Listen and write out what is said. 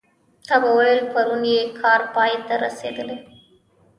تا به ویل پرون یې کار پای ته رسېدلی.